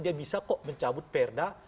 dia bisa kok mencabut perda